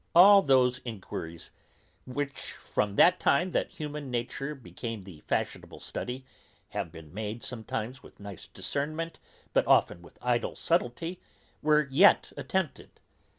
All those enquiries, which from that time that human nature became the fashionable study, have been made sometimes with nice discernment, but often with idle subtilty, were yet unattempted.